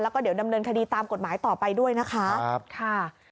แล้วก็เดี๋ยวดำเนินคดีตามกฎหมายต่อไปด้วยนะคะ